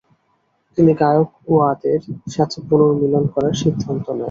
তিনি গায়কওয়াদের সাথে পুনর্মিলন করার সিদ্ধান্ত নেন।